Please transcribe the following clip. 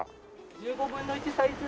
１５分の１サイズの。